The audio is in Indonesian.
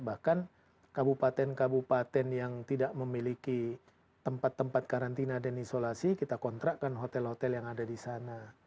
bahkan kabupaten kabupaten yang tidak memiliki tempat tempat karantina dan isolasi kita kontrakkan hotel hotel yang ada di sana